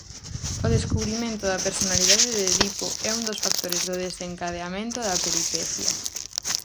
O descubrimento da personalidade de Edipo é un dos factores do desencadeamento da peripecia.